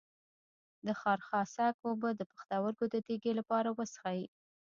د خارخاسک اوبه د پښتورګو د تیږې لپاره وڅښئ